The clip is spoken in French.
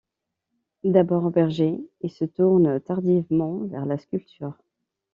D'abord berger, il se tourne tardivement vers la sculpture.